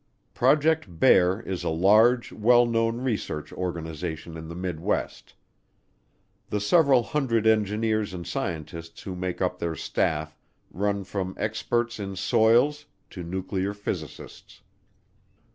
Project Bear is a large, well known research organization in the Midwest. The several hundred engineers and scientists who make up their staff run from experts on soils to nuclear physicists.